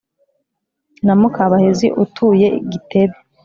Na mukabahizi utuye gitebe